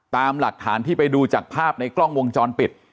ตามหลักฐานที่ไปดูจากภาพในกล้องวงจรปิด